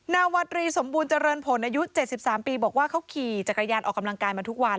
นาวัตรีสมบูรณเจริญผลอายุ๗๓ปีบอกว่าเขาขี่จักรยานออกกำลังกายมาทุกวัน